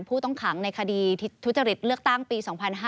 ผู้ต้องขังในคดีทุจริตเลือกตั้งปี๒๕๕๙